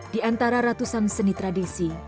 di antara ratusan seni tradisi